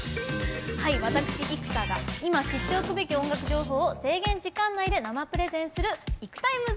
私、生田が今、知っておくべき音楽情報を制限時間内で生プレゼンする「ＩＫＵＴＩＭＥＳ」！